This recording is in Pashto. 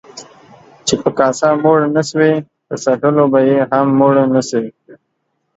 چي په کاسه موړ نسوې ، په څټلو به يې هم موړ نسې.